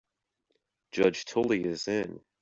Judge Tully is in.